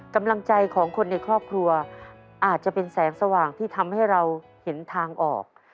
กำลังใจของคนในครอบครัวอาจจะเป็นแสงสว่างที่ทำให้เราเห็นทางออก